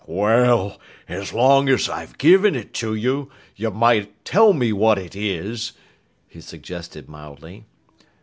"Well, as long as I've given it to you, you might tell me what it is," he suggested mildly.